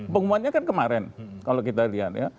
pengumumannya kan kemarin kalau kita lihat ya